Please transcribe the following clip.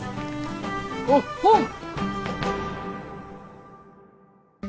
おっほん！